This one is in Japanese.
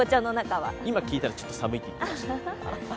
今、聞いたらちょっと寒いと言っていました。